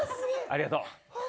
ありがとうね。